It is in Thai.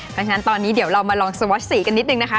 เพราะฉะนั้นตอนนี้เดี๋ยวเรามาลองสวัสสีกันนิดนึงนะคะ